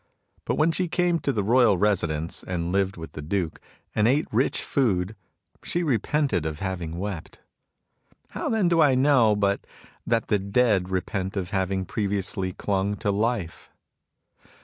But when she came to the royal resi dence, and lived with the Duke, and ate rich food, she repented of having wept. How then do I know but that the dead repent of having previously clung to life